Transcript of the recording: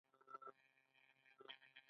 خو دوی خپلې الوتکې ترمیموي.